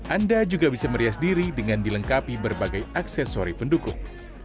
anda juga bisa merias diri dengan dilengkapi berbagai aksesori pendukung